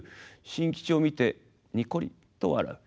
新吉を見てニコリと笑う。